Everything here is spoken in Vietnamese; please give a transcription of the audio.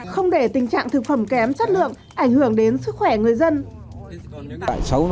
không để tình trạng thực phẩm kém chất lượng ảnh hưởng đến sức khỏe người dân